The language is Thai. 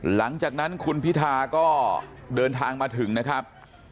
หลังจากนั้นคุณพิธาก็เดินทางมาถึงนะครับ